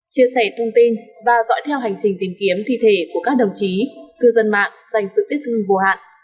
chia sẻ thông tin và dõi theo hành trình tìm kiếm thi thể của các đồng chí cư dân mạng dành sự tiết thương vô hạn